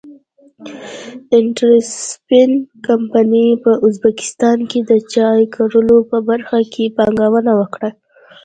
انټرسپن کمپنۍ په ازبکستان کې د چای کرلو په برخه کې پانګونه وکړه.